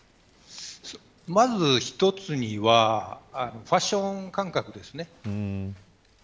まず一つにはファッション感覚ですね。